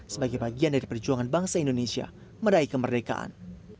sebagai bagian dari perjuangan bangsa indonesia meraih kemerdekaan